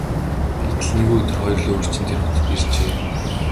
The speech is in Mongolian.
Гэтэл нэгэн өдөр хоёр луйварчин тэр хотод иржээ.